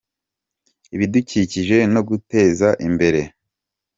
ibidukikije no guteza imbere.